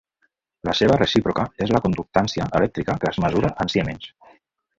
La seva recíproca és la conductància elèctrica que es mesura en siemens.